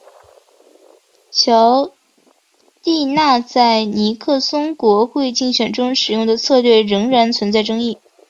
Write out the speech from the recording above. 乔蒂纳在尼克松国会竞选中使用的策略仍然存在争议。